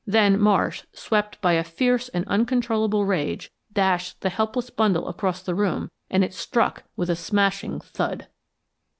Then Marsh, swept by a fierce and uncontrollable rage, dashed the helpless bundle across the room and it struck with a smashing thud.